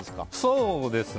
そうですね。